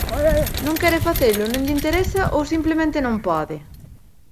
¿Non quere facelo, non lle interesa ou simplemente non pode?